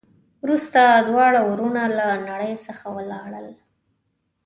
وروسته دواړه ورونه له نړۍ څخه ولاړل.